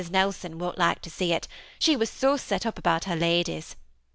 Nelson won't like to see it ; she was so set up about her lady's.